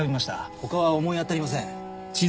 他は思い当たりません。